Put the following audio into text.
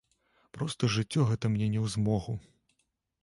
Проста жыццё гэта мне не ў змогу.